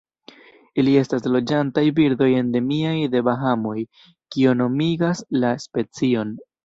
Ili estas loĝantaj birdoj endemiaj de Bahamoj, kio nomigas la specion.